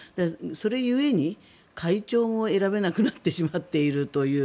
それ故に会長も選べなくなってしまっているという。